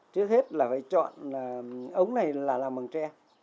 trước hết là phải chọn ống này là làm bằng tre